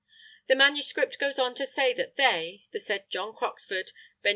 The manuscript goes on to say that they the said John Croxford, Benj.